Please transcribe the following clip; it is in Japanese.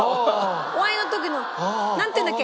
お祝いの時のなんていうんだっけ？